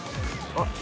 あっ。